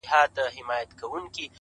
• اشنا مي کوچ وکړ کوچي سو,